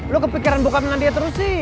lo kepikiran bokat melandia terus sih